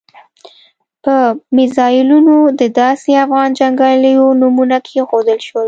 په میزایلونو د داسې افغان جنګیالیو نومونه کېښودل شول.